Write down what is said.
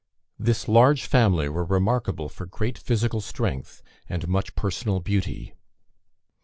This large family were remarkable for great physical strength, and much personal beauty.